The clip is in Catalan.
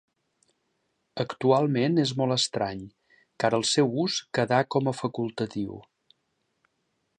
Actualment és molt estrany, car el seu ús quedà com a facultatiu.